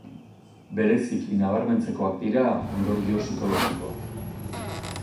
Bereziki nabarmentzekoak dira ondorio psikologikoak.